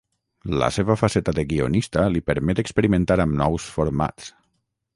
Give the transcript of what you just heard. La seva faceta de guionista li permet experimentar amb nous formats.